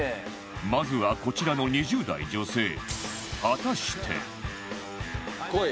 まずはこちらの２０代女性こい！